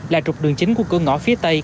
là trục đường chính của cửa ngõ phía tây